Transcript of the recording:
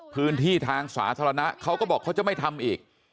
พื้นที่ทางสาธารณะเขาก็บอกเขาจะไม่ทำอีก